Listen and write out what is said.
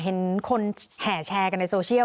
เห็นคนแห่แชร์กันในโซเชียล